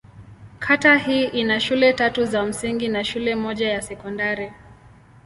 Kata hii ina shule tatu za msingi na shule moja ya sekondari.